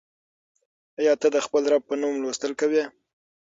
آیا ته د خپل رب په نوم لوستل کوې؟